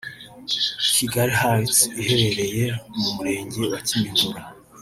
Kigali Heights iherereye mu Murenge wa Kimihurura